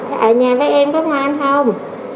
ở nhà với em có ngoan không